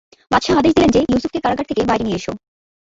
বাদশাহ আদেশ দিলেন যে, ইউসুফকে কারাগার থেকে বাইরে নিয়ে এসো।